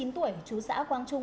bốn mươi chín tuổi chú xã quang trung